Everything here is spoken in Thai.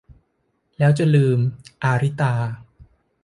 แล้วจะลืม - อาริตา